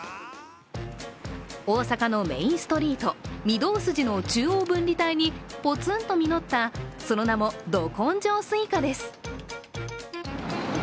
大阪のメインストリート、御堂筋の中央分離帯にポツンと実った、その名も、ど根性スイカです。